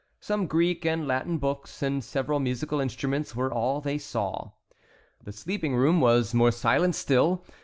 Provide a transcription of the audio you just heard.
Some Greek and Latin books and several musical instruments were all they saw. The sleeping room was more silent still.